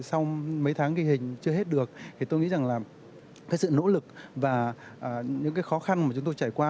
sau mấy tháng ghi hình chưa hết được thì tôi nghĩ rằng là cái sự nỗ lực và những cái khó khăn mà chúng tôi trải qua